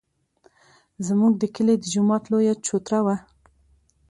زموږ د کلي د جومات لویه چوتره وه.